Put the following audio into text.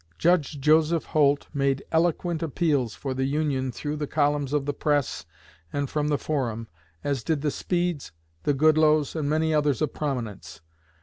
Judge Joseph Holt made eloquent appeals for the Union through the columns of the press and from the forum, as did the Speeds, the Goodloes, and many others of prominence.